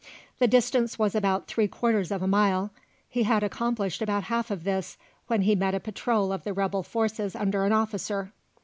The distance was about three quarters of a mile. He had accomplished about half of this when he met a patrol of the rebel forces under an officer.